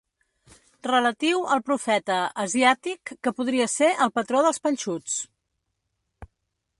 Relatiu al profeta asiàtic que podria ser el patró dels panxuts.